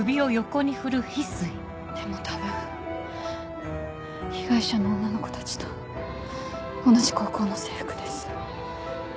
でも多分被害者の女の子たちと同じ高校の制服です。